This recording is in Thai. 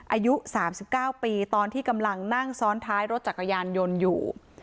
อายุ๓๙ปีตอนที่กำลังนั่งซ้อนท้ายรถจักรยานยนต์อยู่